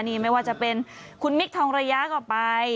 นี่ไม่ว่าจะเป็นคุณมิคทองระยะก็ไป